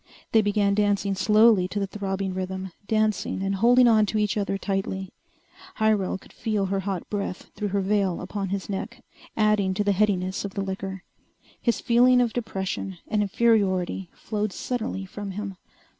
They began dancing slowly to the throbbing rhythm, dancing and holding on to each other tightly. Hyrel could feel her hot breath through her veil upon his neck, adding to the headiness of the liquor. His feeling of depression and inferiority flowed suddenly from him.